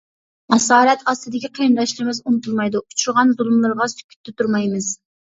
ئاسارەت ئاستىدىكى قېرىنداشلىرىمىز ئۇنتۇلمايدۇ، ئۇچرىغان زۇلۇملىرىغا سۈكۈتتە تۇرمايمىز.